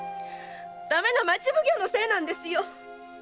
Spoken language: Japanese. ダメな町奉行のせいなんですよ！